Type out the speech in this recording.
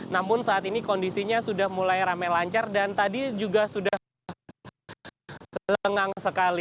namun saat ini kondisinya sudah mulai ramai lancar dan tadi juga sudah lengang sekali